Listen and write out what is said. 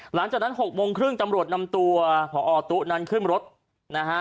หลังจากนั้น๖โมงครึ่งตำรวจนำตัวพอตู้นั้นขึ้นรถนะฮะ